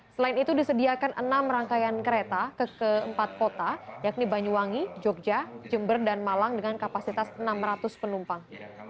selain itu disediakan enam rangkaian kereta ke empat kota yakni banyuwangi jogja jember dan malang dengan kapasitas enam ratus penumpang